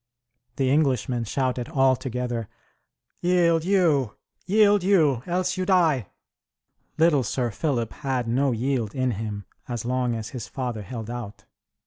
The Englishmen shouted all together, "Yield you! Yield you, else you die!" Little Sir Philip had no yield in him, as long as his father held out.